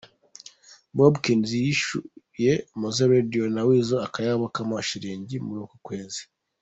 Bobkins yishyuye Mozey Radio na Weseal aka kayabo kamashilingi muri uku kwezi.